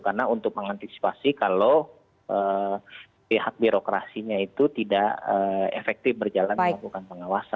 karena untuk mengantisipasi kalau pihak birokrasinya itu tidak efektif berjalan melakukan pengawasan